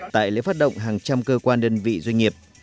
tại lễ phát động hàng trăm cơ quan đơn vị doanh nghiệp